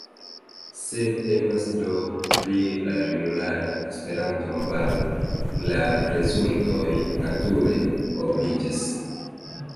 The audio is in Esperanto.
Se temas do pri la junulara Esperanto-movado, la rezultoj nature obliĝas.